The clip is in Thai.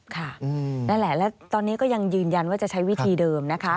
ค่ะนั่นแหละแล้วตอนนี้ก็ยังยืนยันว่าจะใช้วิธีเดิมนะคะ